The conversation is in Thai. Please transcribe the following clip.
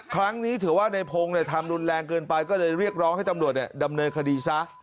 ครั้งนี้ถือว่าในโพงเนี่ยทำรุนแรงเกินไปก็เลยเรียกร้องให้ตำรวจเนี่ยดำเนยคดีซะ